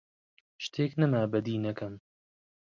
شتێک نەما بەدیی نەکەم: